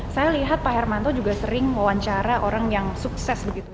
saya lihat pak hermanto juga sering wawancara orang yang sukses begitu